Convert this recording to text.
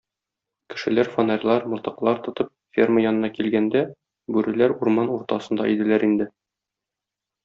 Кешеләр фонарьлар, мылтыклар тотып ферма янына килгәндә, бүреләр урман уртасында иделәр инде.